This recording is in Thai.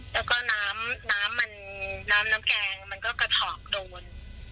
แล้วก็น้ำน้ำแกงมันก็กระถอกโดน